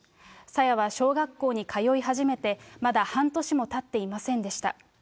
さやは小学校に通い始めてまだ半年もたっていませんでした。